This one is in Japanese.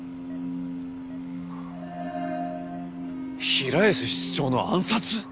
平安室長の暗殺！？